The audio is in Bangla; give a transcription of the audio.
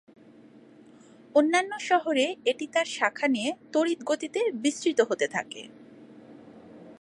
অন্যান্য শহরে এটি তার শাখা নিয়ে তড়িৎ গতিতে বিস্তৃত হতে থাকে।